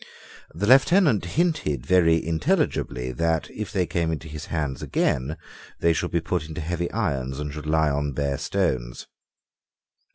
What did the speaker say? The Lieutenant hinted very intelligibly that, if they came into his hands again, they should be put into heavy irons and should lie on bare stones.